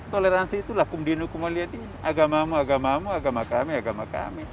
toleransi itu lakum dinu kumulia di agamamu agamamu agama kami agama kami